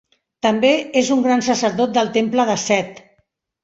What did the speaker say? També és un gran sacerdot del temple de Set.